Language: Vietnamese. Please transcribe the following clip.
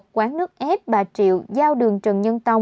quán nước ép bà triệu giao đường trần nhân tông